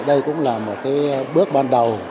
đây cũng là một bước ban đầu